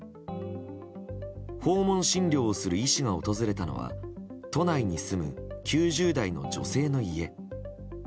訪問診療をする医師が訪れたのは都内に住む９０代の女性の家。